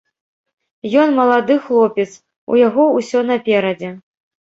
Ён малады хлопец, у яго ўсё наперадзе.